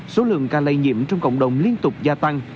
số lượng ca lây nhiễm trong cộng đồng liên tục gia tăng